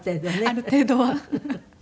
ある程度は。